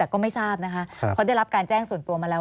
ก็ไม่ทราบนะคะเพราะได้รับการแจ้งส่วนตัวมาแล้ว